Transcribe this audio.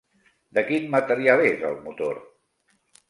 De quin material és el motor?